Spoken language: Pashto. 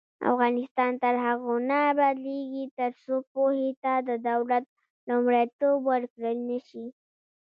افغانستان تر هغو نه ابادیږي، ترڅو پوهې ته د دولت لومړیتوب ورکړل نشي.